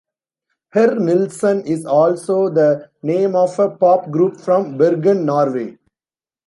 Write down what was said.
"Herr Nilsson" is also the name of a pop group from Bergen, Norway.